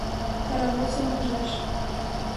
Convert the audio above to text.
паровоз урмыжеш